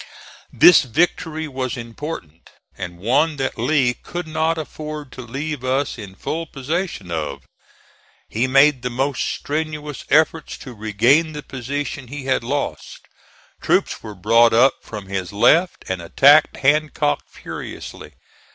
This victory was important, and one that Lee could not afford to leave us in full possession of. He made the most strenuous efforts to regain the position he had lost. Troops were brought up from his left and attacked Hancock furiously.